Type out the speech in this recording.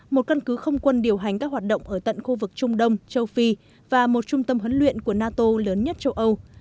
một căn cứ không quân điều hành các hoạt động ở tận khu vực trung đông châu phi và một trung tâm huấn luyện của nato lớn nhất châu âu